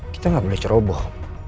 kita gak boleh ceroboh